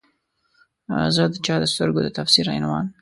زه د چا د سترګو د تفسیر عنوان